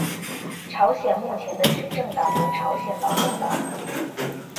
朝鲜目前的执政党为朝鲜劳动党。